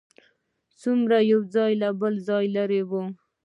څومره یو ځای له بله لرې و.